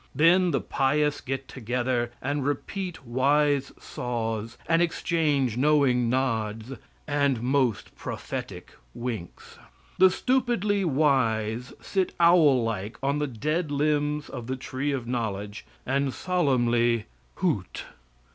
Then the pious get together and repeat wise saws and exchange knowing nods and most prophetic winks. The stupidly wise sit owl like on the dead limbs of the tree of knowledge, and solemnly, hoot.